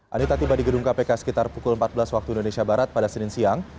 anita tiba di gedung kpk sekitar pukul empat belas waktu indonesia barat pada senin siang